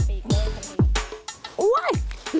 ดูสิ